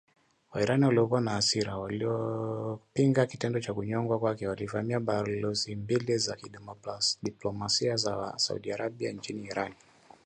Wairani waliokuwa na hasira wanaopinga kitendo cha kunyongwa kwake, walivamia balozi mbili za kidiplomasia za Saudi Arabia nchini Iran